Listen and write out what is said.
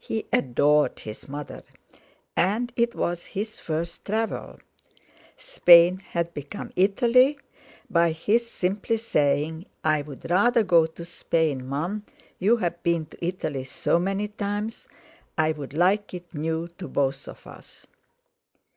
He adored his mother, and it was his first travel. Spain had become Italy by his simply saying: "I'd rather go to Spain, Mum; you've been to Italy so many times; I'd like it new to both of us."